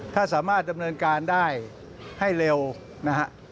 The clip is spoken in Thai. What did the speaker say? ถ้าสามารถดำเนินการได้ให้เร็วนะฮะ